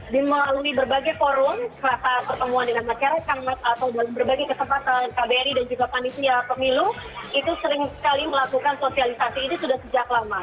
dimelalui berbagai forum kata pertemuan dengan masyarakat atau berbagai kesempatan kbri dan juga panisnya pemilu itu sering sekali melakukan sosialisasi ini sudah sejak lama